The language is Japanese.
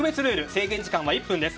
制限時間は１分です。